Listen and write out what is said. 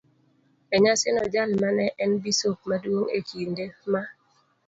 E nyasino, jal ma ne en bisop maduong' e kindeno ema